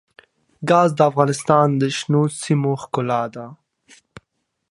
ګاز د افغانستان د شنو سیمو ښکلا ده.